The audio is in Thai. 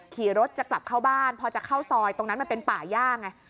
ขี่รถจะกลับเข้าบ้านพอจะเข้าซอยตรงนั้นมันเป็นป่าย่าไง